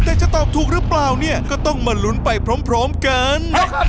แต่จะตอบถูกหรือเปล่าเนี่ยก็ต้องมาลุ้นไปพร้อมกัน